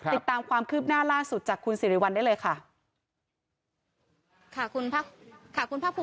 ติดตามความคืบหน้าล่าสุดจากคุณสิริวัลได้เลยค่ะค่ะคุณภาคค่ะคุณภาคภูมิ